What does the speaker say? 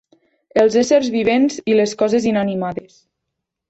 Els éssers vivents i les coses inanimades.